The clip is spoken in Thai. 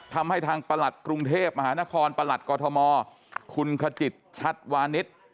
ทำให้ทางประหลัดกรุงเทพมหานครประหลัดกอทมคุณขจิตชัดวานิส